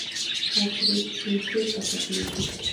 خاشرود سیند چیرته ختمیږي؟